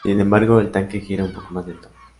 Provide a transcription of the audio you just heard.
Sin embargo, el tanque gira un poco más lento.